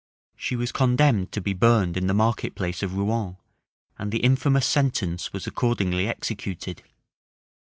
She was condemned to be burned in the market place of Rouen; and the infamous sentence was accordingly executed.